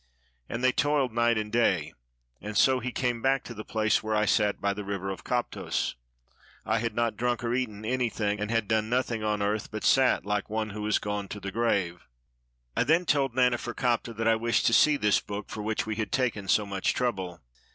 And they toiled night and day, and so he came back to the place where I sat by the river of Koptos ; I had not drunk nor eaten anything, and had done nothing on earth, but sat like one who is gone to the grave. I then told Naneferkaptah that I wished to see this book, for which we had taken so much trouble.